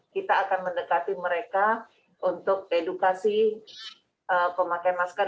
kita akan mendekati mereka untuk edukasi pemakaian masker